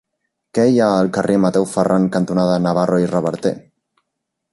Què hi ha al carrer Mateu Ferran cantonada Navarro i Reverter?